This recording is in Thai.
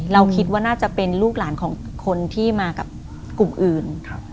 เราคิดว่าน่าจะเป็นลูกหลานของคนที่มากับกลุ่มอื่น